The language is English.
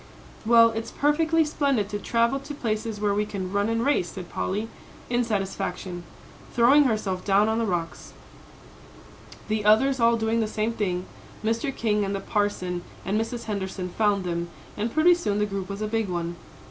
"Well, it's perfectly splendid to travel to places where we can run and race," said Polly, in satisfaction, throwing herself down on the rocks. The others all doing the same thing, Mr. King and the Parson and Mrs. Henderson found them, and pretty soon the group was a big one.